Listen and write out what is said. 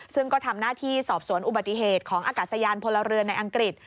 ซึ่งก็ทำหน้าที่สอบสวนอุบัติเหตุของอากาศยานพลเรือนในอังกฤษ